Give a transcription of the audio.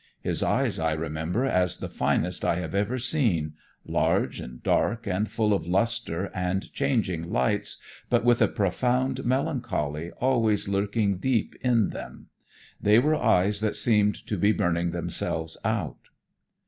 His eyes I remember as the finest I have ever seen, large and dark and full of lustre and changing lights, but with a profound melancholy always lurking deep in them. They were eyes that seemed to be burning themselves out.